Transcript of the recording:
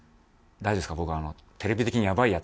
大丈夫ですか？